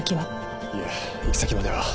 いえ行き先までは。